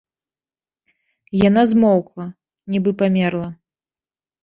Яна змоўкла, нібы памерла.